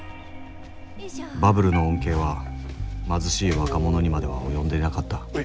バブルの恩恵は貧しい若者にまでは及んでいなかった